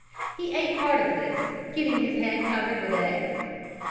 He ate part of this, getting his head covered with eggs.